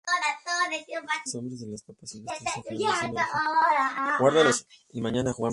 Los nombres de las papas silvestres en general son de origen aymara.